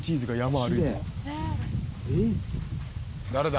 誰だ？